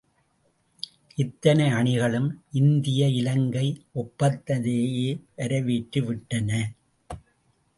இத்தனை அணிகளும் இந்திய இலங்கை ஒப்பந்தத்தை வரவேற்று விட்டன.